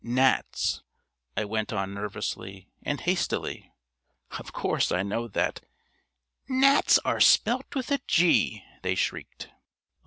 "Gnats," I went on nervously and hastily. "Of course I know that " "Gnats are spelt with a G," they shrieked.